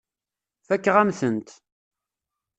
Fakeɣ-am-tent.